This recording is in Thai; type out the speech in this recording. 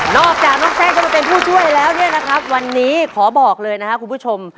อกจากน้องแซคจะมาเป็นผู้ช่วยแล้วเนี่ยนะครับวันนี้ขอบอกเลยนะครับคุณผู้ชม